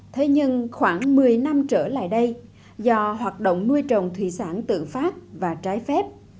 thế nhưng khoảng một mươi năm trở lại đây do hoạt động nuôi trồng thủy sản tự phát và trái phép